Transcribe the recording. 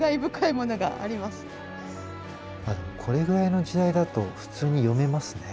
これぐらいの時代だと普通に読めますね。